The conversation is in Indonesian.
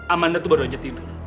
amanda itu baru aja tidur